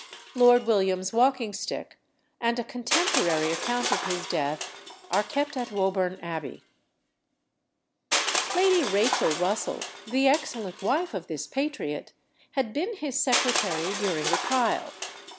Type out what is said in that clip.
Lord William's walking stick and a cotemporary account of his death are kept at Woburn Abbey. Lady Rachel Russell, the excellent wife of this patriot, had been his secretary during the trial.